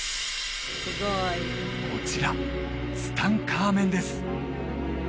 こちらツタンカーメンです